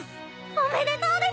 おめでとうです！